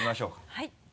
はい。